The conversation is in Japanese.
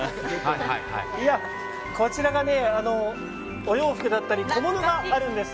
こちらがお洋服だったり小物があるんです。